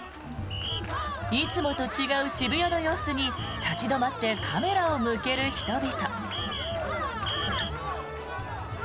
いつもと違う渋谷の様子に立ち止まってカメラを向ける人々。